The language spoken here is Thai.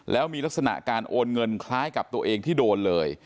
แล้วมีลักษณะการโอนเงินคล้ายกับตัวเองที่โดนเลย